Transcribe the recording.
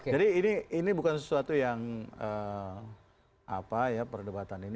jadi ini bukan sesuatu yang apa ya perdebatan ini